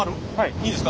いいですか？